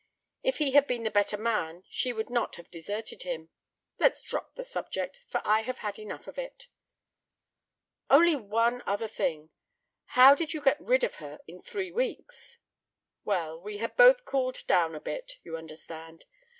"If he had been the better man she would not have deserted him. Let's drop the subject, for I have had enough of it!" "Only one other thing. How did you get rid of her in three weeks?" "Well, we had both cooled down a bit, you understand.